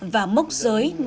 và mốc giới được chứng kiến